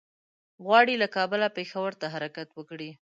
غواړي له کابله پېښور ته حرکت وکړي.